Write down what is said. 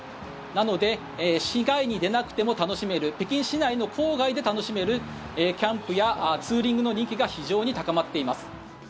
なので市外に出なくても楽しめる北京市内の郊外で楽しめるキャンプやツーリングの人気が非常に高まっています。